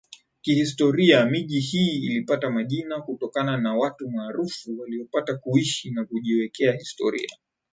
Kihistoria miji hii ilipata majina kutokana na watu maarufu waliopata kuishi na kujiwekea historia